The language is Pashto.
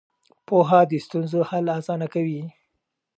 پوهه د ستونزو حل اسانه کوي.